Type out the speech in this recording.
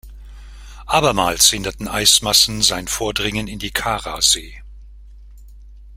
Abermals hinderten Eismassen sein Vordringen in die Karasee.